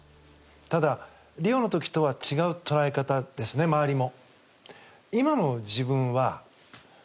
ただ、リオの時とは違う捉え方ですね、周りも。